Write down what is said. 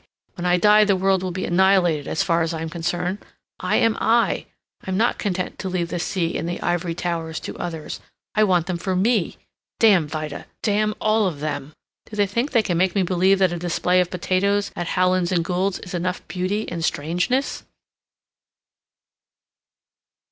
When I die the world will be annihilated, as far as I'm concerned. I am I! I'm not content to leave the sea and the ivory towers to others. I want them for me! Damn Vida! Damn all of them! Do they think they can make me believe that a display of potatoes at Howland & Gould's is enough beauty and strangeness?"